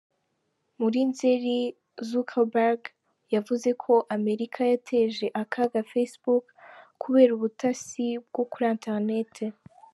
Muri Nzeri Zuckerberg yavuze ko Amerika yateje akaga Facebook kubera ubutasi bwo kuri internet.